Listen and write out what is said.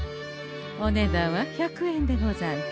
お値段は１００円でござんす。